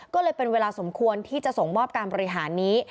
ก็เลยเป็นเวลาสมควรที่จะส่งมอบการบริหารนี้